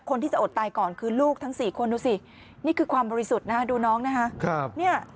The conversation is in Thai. คนที่จะอดตายก่อนคือลูกทั้ง๔คนดูสินี่คือความบริสุทธิ์นะฮะดูน้องนะฮะ